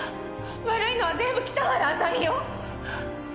悪いのは全部北原麻美よ！